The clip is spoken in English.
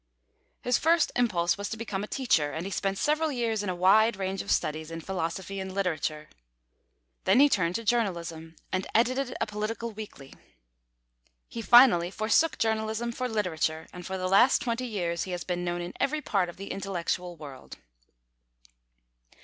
His first impulse was to become a teacher, and he spent several years in a wide range of studies in philosophy and literature. Then he turned to journalism, and edited a political weekly. He finally forsook journalism for literature, and for the last twenty years he has been known in every part of the intellectual world.